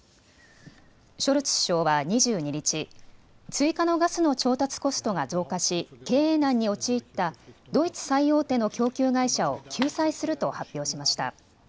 ショルツ首相は２２日、追加のガスの調達コストが増加し経営難に陥ったドイツ最大手の供給会社を救済すると発表しました。